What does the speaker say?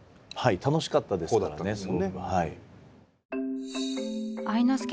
はい楽しかったですからね。